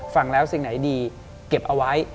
ฟังแล้วสิ่งไหนดีเก็บเอาไว้